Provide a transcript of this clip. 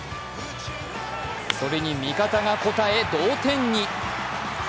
それに味方が応え同点に。